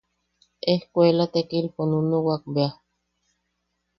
Ejkuela tekilpo nunuwak bea.